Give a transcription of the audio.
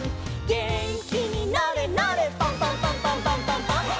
「げんきになれなれパンパンパンパンパンパンパン！！」